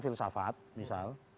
dia jurusan filsafat misal